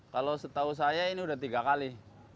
kalau setahu saya ini sudah tiga kali